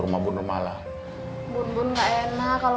luar biar nggak jalan